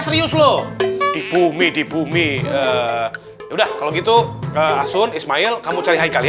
terus ke bengkel terus kemana lagi